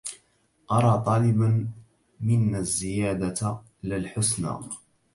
أرى طالبا منا الزيادة لا الحسنى